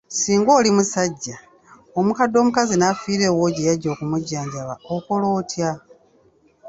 "Singa oli musajja, omukadde omukazi n’afiira ewuwo gye yajja okujjanjabibwa okola otya?"